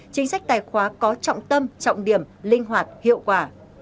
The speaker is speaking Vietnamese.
chính sách tài khóa có trọng tâm trọng điểm linh hoạt hiệu quả